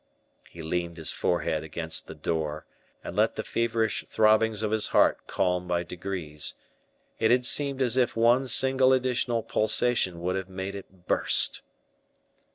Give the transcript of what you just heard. He leaned his forehead against the door, and let the feverish throbbings of his heart calm by degrees; it had seemed as if one single additional pulsation would have made it burst.